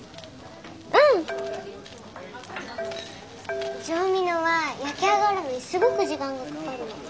うん！上ミノは焼き上がるのにすごく時間がかかるの。